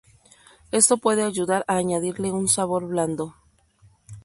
Esto puede ayudar a añadirle un sabor blando.